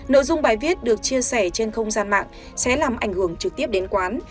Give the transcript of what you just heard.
nội dung bài viết được chia sẻ trên không gian mạng sẽ làm ảnh hưởng trực tiếp đến quán